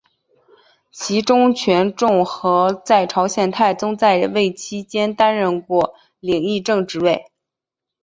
其中权仲和在朝鲜太宗在位期间担任过领议政之职。